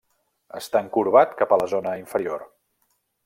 Està encorbat cap a la zona inferior.